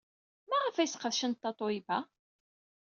Maɣef ay sseqdacent Tatoeba?